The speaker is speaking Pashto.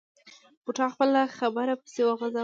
بوډا خپله خبره پسې وغځوله.